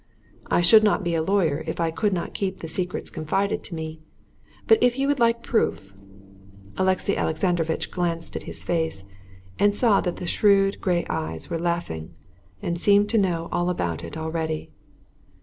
"I should not be a lawyer if I could not keep the secrets confided to me. But if you would like proof...." Alexey Alexandrovitch glanced at his face, and saw that the shrewd, gray eyes were laughing, and seemed to know all about it already.